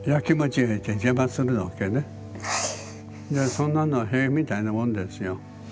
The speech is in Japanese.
そんなのは屁みたいなもんですよ。